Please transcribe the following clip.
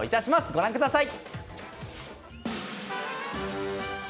ご覧ください。